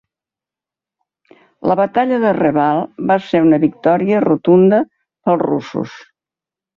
La batalla de Reval va ser una victòria rotunda pels russos.